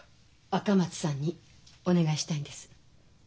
赤松さんにお願いしたいんです。